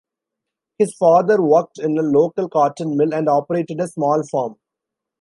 His father worked in a local cotton mill and operated a small farm.